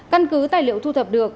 căn cứ tài liệu thu thập được